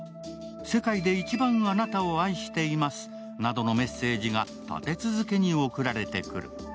世界で一番あなたを愛していますなどのメッセージが立て続けに贈られてくる。